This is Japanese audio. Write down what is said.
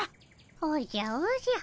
おじゃおじゃ。